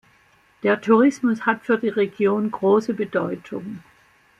Der Tourismus hat für die Region große Bedeutung.